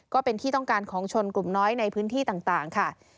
ก็เป็นที่ต้องการของชนกลุ่มน้อยในพื้นที่ต่างค่ะ